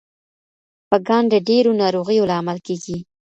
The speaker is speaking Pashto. پګان د ډیرو ناروغیو لامل کیږي.